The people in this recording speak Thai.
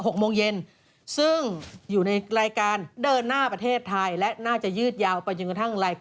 ของการบริหารส่วนกลางจังหวัดเชียงราย